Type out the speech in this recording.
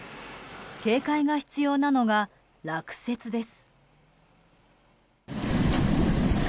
警戒が必要なのが、落雪です。